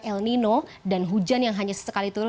el nino dan hujan yang hanya sesekali turun